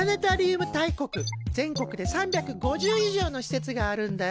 全国で３５０以上のしせつがあるんだよ。